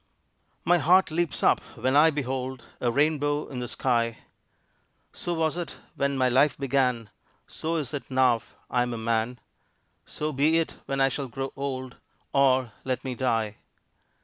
My heart leaps up when I behold A rainbow in the sky: So was it when my life began; So is it now I am a man; So be it when I shall grow old, Or let me die!